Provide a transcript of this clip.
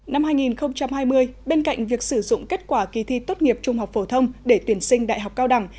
năm hai nghìn hai mươi bên cạnh việc sử dụng kết quả kỳ thi tốt nghiệp trung học phổ thông để tuyển sinh đại học cao đẳng